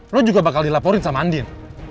roy juga bakal dilaporin sama andin